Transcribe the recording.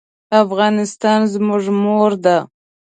افغانستان زموږ مور ده.